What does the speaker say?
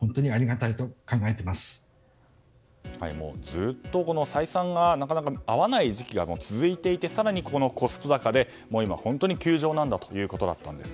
ずっと採算がなかなか合わない時期が続いていて更にこのコスト高で本当に窮状なんだと。